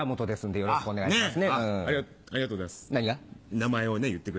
よろしくお願いします。